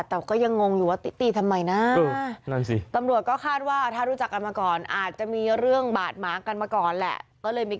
ต้นหัวเขาแตกเลือดอาบแบบนี้